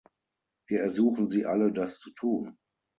Wir ersuchen Sie alle, das zu tun.